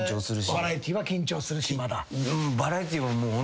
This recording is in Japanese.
バラエティーは緊張するしまだ？